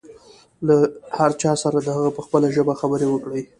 له هر چا سره د هغه په خپله ژبه خبرې وکړئ.